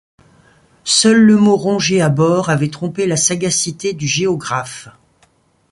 Seul, le mot rongé « abor » avait trompé la sagacité du géographe!